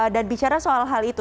bicara soal hal itu